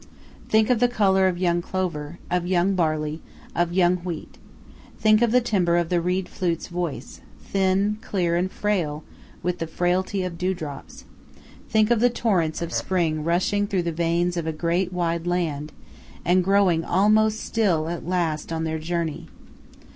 Think of the color of young clover, of young barley, of young wheat; think of the timbre of the reed flute's voice, thin, clear, and frail with the frailty of dewdrops; think of the torrents of spring rushing through the veins of a great, wide land, and growing almost still at last on their journey.